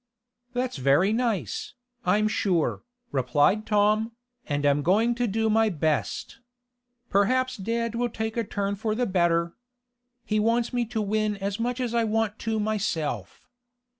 "That's very nice, I'm sure," replied Tom, "and I'm going to do my best. Perhaps dad will take a turn for the better. He wants me to win as much as I want to myself.